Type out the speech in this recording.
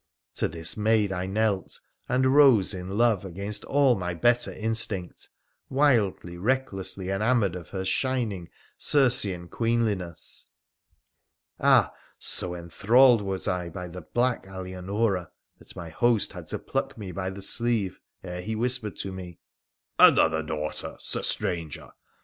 To this maid I knelt— and rose in love against all my better instinct — wildly, recklessly enamoured of her shining Circean queenliness — ah ! so enthralled was I by the black Alianora that my host had to pluck me by the sleeve ere he whispered to me, ' Another daughter, sir stranger